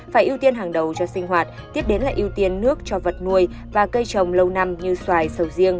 phải ưu tiên hàng đầu cho sinh hoạt tiếp đến là ưu tiên nước cho vật nuôi và cây trồng lâu năm như xoài sầu riêng